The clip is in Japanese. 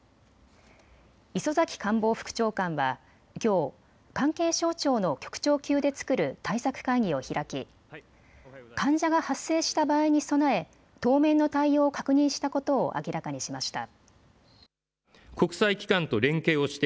磯崎官房副長官はきょう、関係省庁の局長級で作る対策会議を開き患者が発生した場合に備え当面の対応を確認したことを明らかにしました。